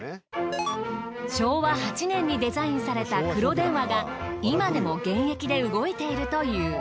昭和８年にデザインされた黒電話が今でも現役で動いているという。